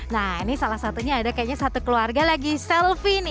nah ini salah satunya ada kayaknya satu keluarga lagi selfie nih